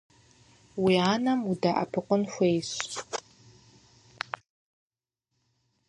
Уи анэм удэӏэпыкъун хуейщ.